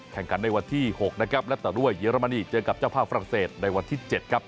แข่งขันในวันที่๖นะครับและต่อด้วยเยอรมนีเจอกับเจ้าภาพฝรั่งเศสในวันที่๗ครับ